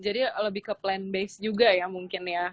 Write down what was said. jadi lebih ke plan base juga ya mungkin ya